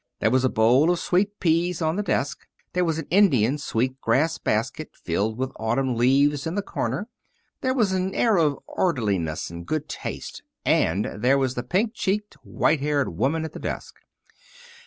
There was a bowl of sweet peas on the desk; there was an Indian sweet grass basket filled with autumn leaves in the corner; there was an air of orderliness and good taste; and there was the pink cheeked, white haired woman at the desk.